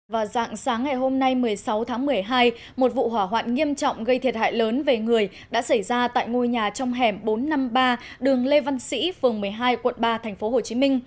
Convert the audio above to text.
vào dạng sáng ngày hôm nay một mươi sáu tháng một mươi hai một vụ hỏa hoạn nghiêm trọng gây thiệt hại lớn về người đã xảy ra tại ngôi nhà trong hẻm bốn trăm năm mươi ba đường lê văn sĩ phường một mươi hai quận ba tp hcm